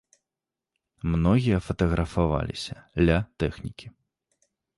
Многія фатаграфаваліся ля тэхнікі.